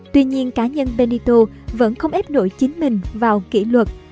tuy nhiên cá nhân benito vẫn không ép nổi chính mình vào kỷ luật